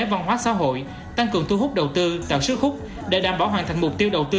văn hóa xã hội tăng cường thu hút đầu tư tạo sức hút để đảm bảo hoàn thành mục tiêu đầu tư